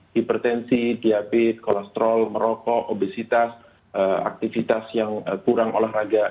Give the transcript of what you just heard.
hipertensi diabetes kolesterol merokok obesitas aktivitas yang kurang olahraga